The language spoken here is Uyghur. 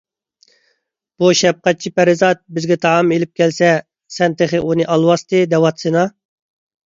بۇ شەپقەتچى پەرىزات بىزگە تائام ئېلىپ كەلسە، سەن تېخى ئۇنى ئالۋاستى دەۋاتىسىنا؟